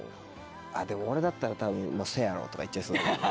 あっでも俺だったら多分。とか言っちゃいそう。